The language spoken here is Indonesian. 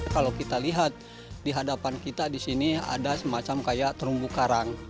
kalau kita lihat di hadapan kita di sini ada semacam kayak terumbu karang